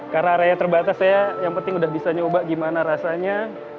karena area terbatas ya yang penting udah bisa nyoba gimana rasanya